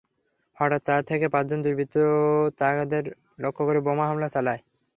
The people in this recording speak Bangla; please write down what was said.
হঠাৎ চার থেকে পাঁচজন দুর্বৃত্ত তাঁদের লক্ষ্য করে বোমা হামলা চালায়।